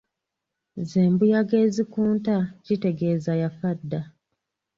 Ze mbuyaga ezikunta kitegeeza yafa dda.